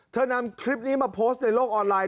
นำคลิปนี้มาโพสต์ในโลกออนไลน